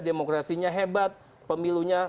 demokrasinya hebat pemilunya